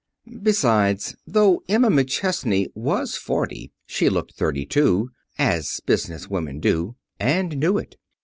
Besides, though Emma McChesney was forty she looked thirty two (as business women do), and knew it.